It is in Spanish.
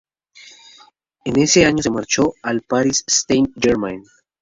En ese año se marchó al París Saint-Germain.